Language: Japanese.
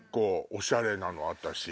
おしゃれなの私。